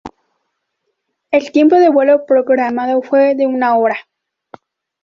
El tiempo de vuelo programado fue de una hora.